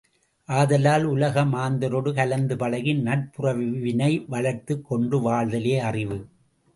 ஆதலால், உலக மாந்தரொடு கலந்து பழகி நட்புறவினை வளர்த்துக் கொண்டு வாழ்தலே அறிவு.